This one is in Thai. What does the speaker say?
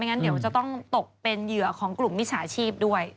งั้นเดี๋ยวจะต้องตกเป็นเหยื่อของกลุ่มมิจฉาชีพด้วย